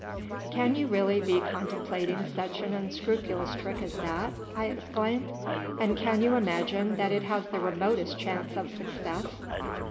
" Can you really be contemplating such an unscrupulous trick as that ?" I exclaimed ;" and can you imagine that it has the remotest chance of success